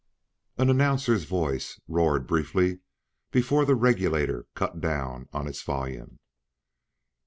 An announcer's voice roared briefly before the regulator cut down on its volume.